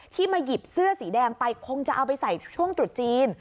ที่มาหยิบเสื้อสีแดงไปคงจะเอาไปใส่ช่วงตรุษจีน